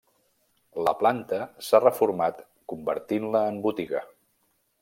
La planta s'ha reformat convertint-la en botiga.